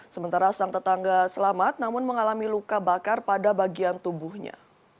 sementara sang tetangga selamat namun mengalami luka bakar pada bagian tubuhnya